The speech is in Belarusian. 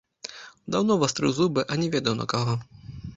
Даўно вастрыў зубы, а не ведаў на каго.